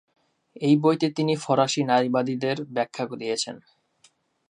এই বইতে তিনি ফরাসি নারীবাদের ব্যাখ্যা দিয়েছেন।